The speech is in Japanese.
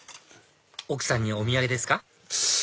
奥さんにお土産ですか？